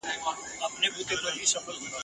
چا ویل چي په خلوت کي د ګناه زڼي ښخیږي !.